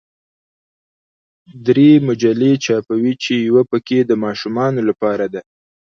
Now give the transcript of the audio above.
درې مجلې چاپوي چې یوه پکې د ماشومانو لپاره ده.